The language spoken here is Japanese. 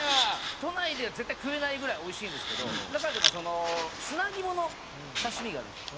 都内では絶対食えないぐらいおいしいんですけど中でも砂肝の刺し身があるんですよ。